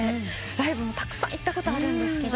ライブもたくさん行ったことあるんですけど。